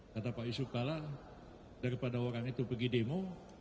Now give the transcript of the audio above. kata pak yusuf kalla daripada orang itu pergi demo